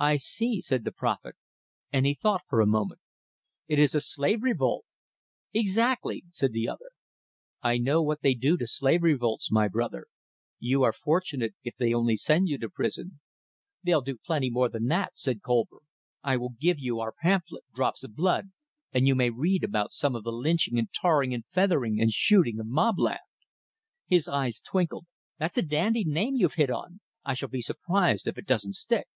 "I see," said the prophet, and he thought for a moment. "It is a slave revolt!" "Exactly," said the other. "I know what they do to slave revolts, my brother. You are fortunate if they only send you to prison." "They do plenty more than that," said Colver. "I will give you our pamphlet, 'Drops of Blood,' and you may read about some of the lynching and tarring and feathering and shooting of Mobland." His eyes twinkled. "That's a dandy name you've hit on! I shall be surprised if it doesn't stick."